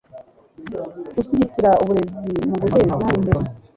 gushyigikira uburezi mu guteza imbere